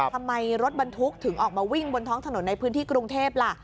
ทำไมรถบรรทุกถึงออกมาวิ่งบนท้องถนนในพื้นที่กรุงเทพล่ะ